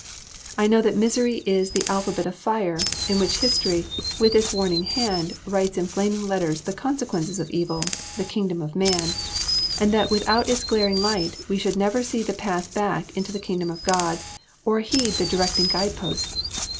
I know that misery is the alphabet of fire, in which history, with its warning hand, writes in flaming letters the consequences of Evil (the Kingdom of Man), and that without its glaring light, we should never see the path back into the Kingdom of God, or heed the directing guide posts.